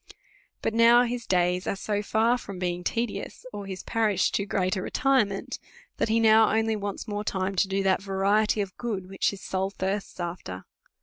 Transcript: But now his days are so far from being tedious, or his parish too great a retirement, that he now only wants more time to do that variety of good which his soul thirsts after.